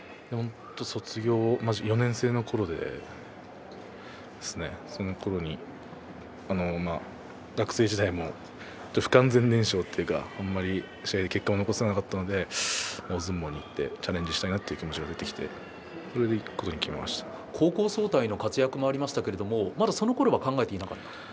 卒業間近の４年生のころで学生時代も不完全燃焼というかあまり試合で結果を残せなかったので大相撲にいってチャレンジしたいなという気持ちが出てきて高校総体の活躍もありましたがまだこのころは考えてなかったですか。